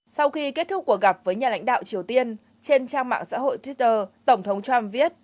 sau khi kết thúc cuộc gặp với nhà lãnh đạo triều tiên trên trang mạng xã hội twitter tổng thống trump viết